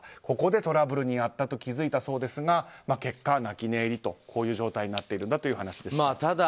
ここでトラブルに遭ったと気づいたそうですが結果、泣き寝入りという状態になっているという話でした。